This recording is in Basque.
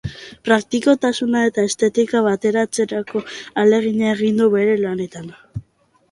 Praktikotasuna eta estetika bateratzeko ahalegina egin du bere lanetan.